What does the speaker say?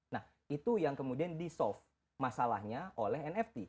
nah itu yang kemudian disolv masalahnya oleh nft